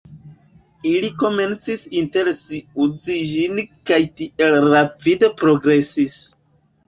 Ili komencis inter si uzi ĝin kaj tiel rapide progresis.